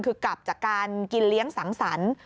คือกลับจากการกินเลี้ยงสังสรรค์